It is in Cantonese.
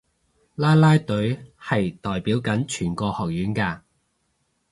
啦啦隊係代表緊全個學院㗎